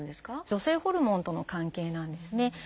女性ホルモンとの関係なんですね。